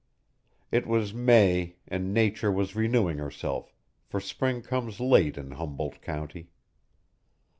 It was May, and Nature was renewing herself, for spring comes late in Humboldt County.